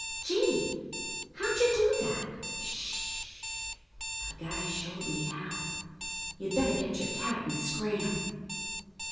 "Gee, how'd you do that?" "Sh h h. A guy showed me how. You better get your cat and scram."